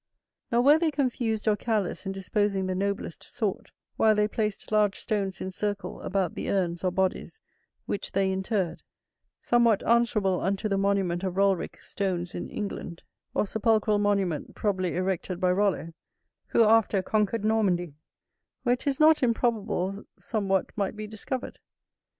Nor were they confused or careless in disposing the noblest sort, while they placed large stones in circle about the urns or bodies which they interred: somewhat answerable unto the monument of Rollrich stones in England, or sepulchral monument probably erected by Rollo, who after conquered Normandy; where 'tis not improbable somewhat might be discovered.